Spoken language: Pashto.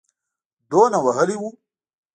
دونه وهلی وو.